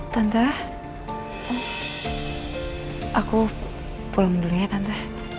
tante aku pulang dulu ya tante